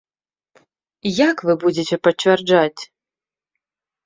Як вы будзеце пацвярджаць?